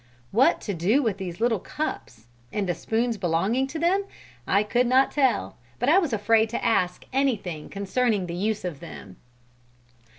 What to do with these little cups, and the spoons belonging to them, I could not tell. But I was afraid to ask anything concerning the use of them."